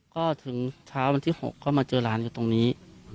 ก็ถึงเช้าวันที่๖ก็มาเจอหลานอยู่ตรงนี้